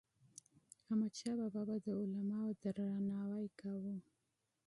احمدشاه بابا به د علماوو درناوی کاوه.